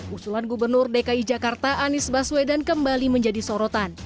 usulan gubernur dki jakarta anies baswedan kembali menjadi sorotan